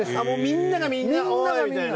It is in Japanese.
みんながみんな「おい」みたいな。